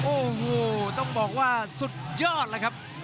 โอ้โหต้องบอกว่าสุดยอดเลยครับ